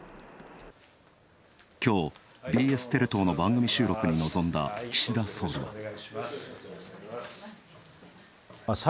きょうＢＳテレ東の番組収録に臨んだ岸田総理は。